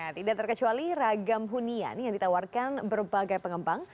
tidak terkecuali ragam hunian yang ditawarkan berbagai pengembang